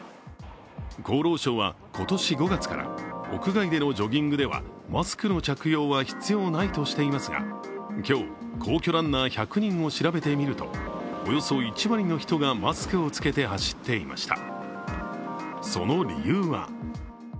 厚労省は、今年５月から屋外でのジョギングではマスクの着用は必要ないとしていますが、今日、皇居ランナー１００人を調べてみるとおよそ１割の人がマスクをつけて走っていました。